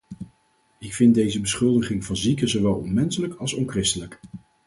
Ik vind deze beschuldiging van zieken zowel onmenselijk als onchristelijk.